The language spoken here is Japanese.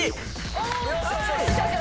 お！